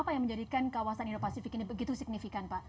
bagaimana anda melihat kawasan indo pasifik ini begitu signifikan pak